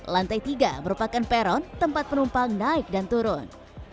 lantai tiga merupakan peron tempat penumpang naik dan turun